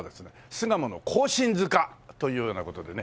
巣鴨の庚申塚というような事でね。